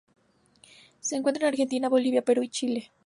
Se encuentra en Argentina, Bolivia, Perú y Chile.